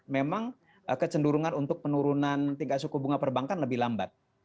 memang kecenderungan untuk penurunan tingkat suku bunga perbankan lebih lambat